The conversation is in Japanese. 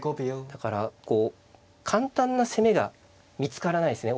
だからこう簡単な攻めが見つからないですね。